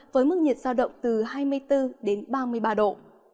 với mức nhiệt giao động từ hai mươi bốn đến ba mươi ba độ